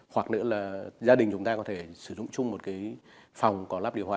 hoặc nữa là gia đình chúng ta có thể sử dụng chung một cái phòng có lắp điều hòa